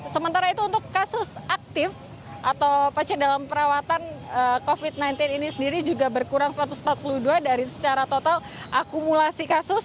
sementara itu untuk kasus aktif atau pasien dalam perawatan covid sembilan belas ini sendiri juga berkurang satu ratus empat puluh dua dari secara total akumulasi kasus